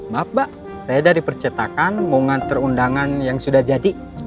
maaf mbak saya dari percetakan mau ngantar undangan yang sudah jadi